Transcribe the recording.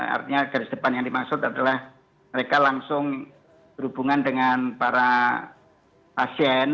artinya garis depan yang dimaksud adalah mereka langsung berhubungan dengan para pasien